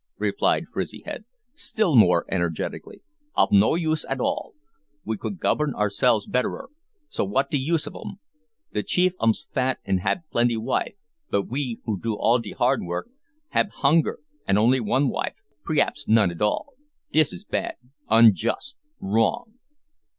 replied Frizzyhead, still more energetically, "ob no use at all. We could govern ourselves betterer, so what de use of 'um? The chief 'ums fat an' hab plenty wife, but we, who do all de hard work, hab hunger, an' only one wife, prehaps none at all. Dis is bad, unjust, wrong."